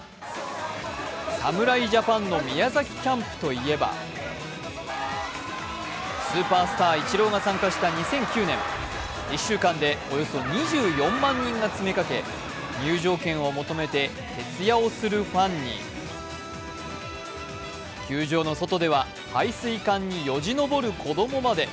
侍ジャパンの宮崎キャンプといえばスーパースター・イチローが参加した２００９年、１週間でおよそ２４万人が詰めかけ、入場券を求めて徹夜をするファンに、球場の外では排水管によじ登る子供まで。